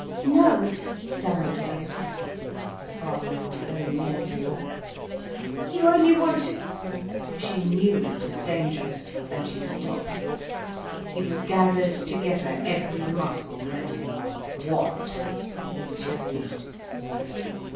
"No," stammered Ursula. Her father was very near to her. "You only want to—" She knew it was dangerous, and she stopped. He was gathered together, every muscle ready. "What?" he challenged.